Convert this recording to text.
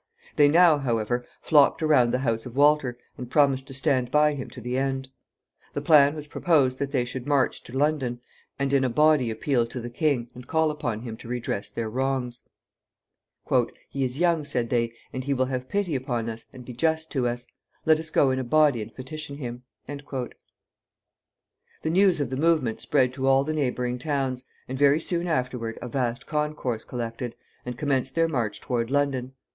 They now, however, flocked around the house of Walter, and promised to stand by him to the end. The plan was proposed that they should march to London, and in a body appeal to the king, and call upon him to redress their wrongs. "He is young," said they, "and he will have pity upon us, and be just to us. Let us go in a body and petition him." The news of the movement spread to all the neighboring towns, and very soon afterward a vast concourse collected, and commenced their march toward London.